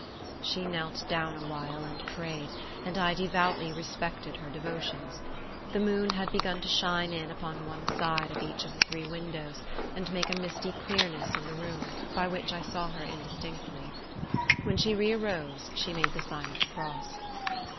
She knelt down awhile and prayed, and I devoutly respected her devotions. The moon had begun to shine in upon one side of each of the three windows, and make a misty clearness in the room, by which I saw her indistinctly. When she rearose she made the sign of the cross.